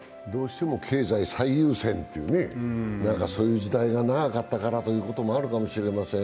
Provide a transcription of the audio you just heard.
経済最優先という、そういう時代が長かったからということもあるかもしれません。